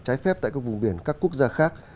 trái phép tại các vùng biển các quốc gia khác